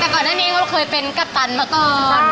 แต่ก่อนหน้านี้ก็เคยเป็นกัปตันมาก่อน